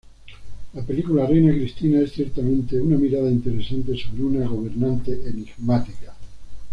La película "Reina Cristina" es ciertamente una mirada interesante sobre una gobernante enigmática.